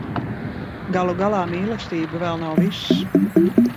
Galu galā mīlestība vēl nav viss.